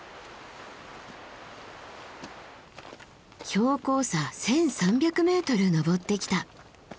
標高差１，３００ｍ登ってきた。